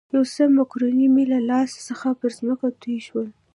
یو څه مکروني مې له لاس څخه پر مځکه توی شول.